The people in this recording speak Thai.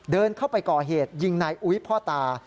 เดินเข้าไปก่อเหตุยิงนายอุ๊ยพ่อตา